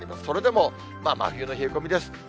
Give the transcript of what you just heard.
それでも真冬の冷え込みです。